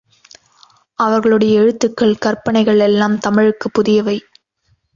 அவர்களுடைய எழுத்துக்கள், கற்பனைகள் எல்லாம் தமிழுக்குப் புதியவை.